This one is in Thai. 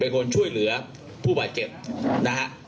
คนช่วยเหลือผู้บาดเจ็บนะฮะ